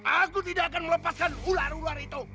aku tidak akan melepaskan ular ular itu